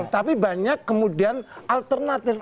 tapi banyak kemudian alternatif